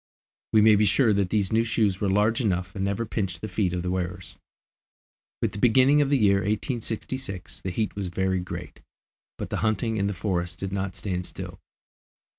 We may be sure that these new shoes were large enough and never pinched the feet of the wearers. With the beginning of the year 1866 the heat was very great, but the hunting in the forests did not stand still.